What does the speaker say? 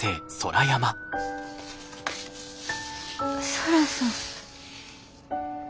空さん。